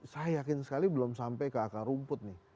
saya yakin sekali belum sampai ke akar rumput nih